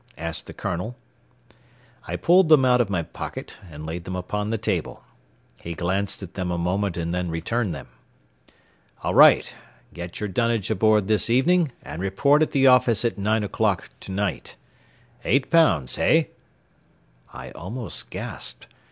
asked the colonel. I pulled them out of my pocket and laid them upon the table. He glanced at them a moment and then returned them. "All right; get your dunnage aboard this evening and report at the office at nine o'clock to night. Eight pounds, hey?" I almost gasped.